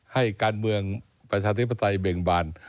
ให้การเมืองประชาธิปไตยเบ่งบาน